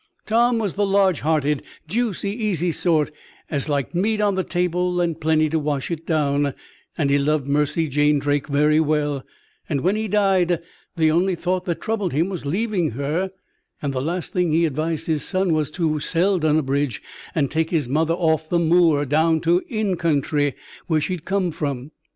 Tom was the large hearted, juicy, easy sort, as liked meat on the table, and plenty to wash it down; and he loved Mercy Jane Drake very well; and, when he died, the only thought that troubled him was leaving her; and the last thing he advised his son was to sell Dunnabridge, and take his mother off the Moor down to the "in country" where she'd come from.